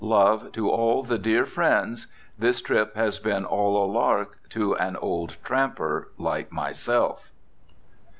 Love to all the dear friends..... This trip has been all a lark to an old tramper like myself."